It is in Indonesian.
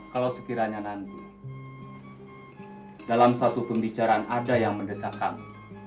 kalau sekiranya nanti dalam satu pembicaraan ada yang mendesak kami